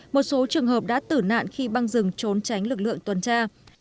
một số trường hợp đã tử nạn khi băng rừng trốn tránh lực lượng tuần tra